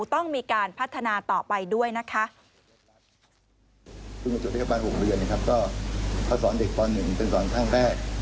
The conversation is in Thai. ต้องมีการพัฒนาต่อไปด้วยนะคะ